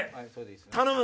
頼む！